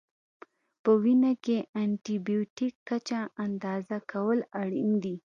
په وینه کې د انټي بیوټیک کچه اندازه کول اړین دي.